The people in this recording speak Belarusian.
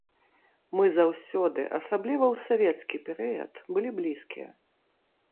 Мы заўсёды, асабліва ў савецкі перыяд, былі блізкія.